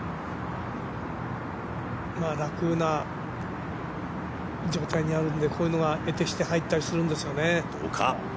楽な状態にあるんでこういうのは得てして入ったりするんですよね。